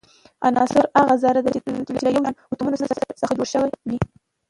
عنصر هغه ذره ده چي له يو شان اتومونو څخه جوړ سوی وي.